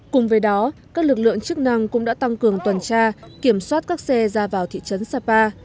cùng với đó các lực lượng chức năng cũng đã tăng cường tuần tra kiểm soát các xe ra vào thị trấn sapa